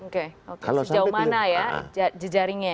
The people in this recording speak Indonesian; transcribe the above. oke oke sejauh mana ya jejaringnya ya